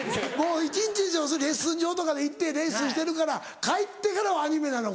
一日要するにレッスン場とか行ってレッスンしてるから帰ってからはアニメなのか。